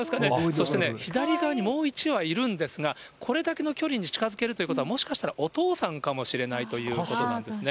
そしてね、左側にもう１羽いるんですが、これだけの距離に近づけるということは、もしかしたらお父さんかもしれないということなんですね。